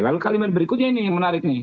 lalu kalimat berikutnya ini yang menarik nih